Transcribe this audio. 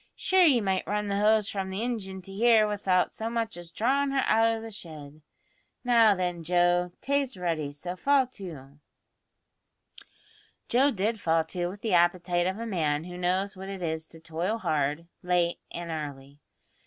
Shure ye might run the hose from the ingin to here without so much as drawin' her out o' the shed. Now, then, Joe, tay's ready, so fall to." Joe did fall to with the appetite of a man who knows what it is to toil hard, late and early.